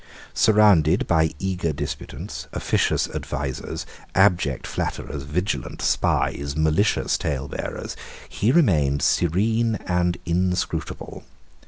Surrounded by eager disputants, officious advisers, abject flatterers, vigilant spies, malicious talebearers, he remained serene and inscrutable.